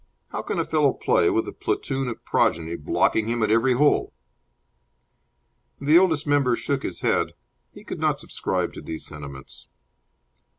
How can a fellow play, with a platoon of progeny blocking him at every hole?" The Oldest Member shook his head. He could not subscribe to these sentiments.